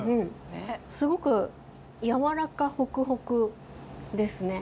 すごくやわらかホクホクですね。